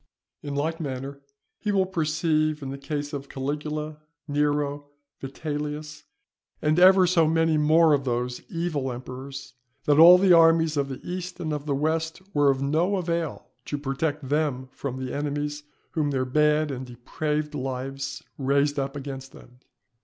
In like manner he will perceive in the case of Caligula, Nero, Vitellius, and ever so many more of those evil emperors, that all the armies of the east and of the west were of no avail to protect them from the enemies whom their bad and depraved lives raised up against them.